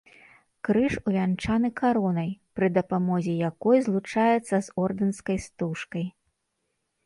Крыж увянчаны каронай, пры дапамозе якой злучаецца з ордэнскай стужкай.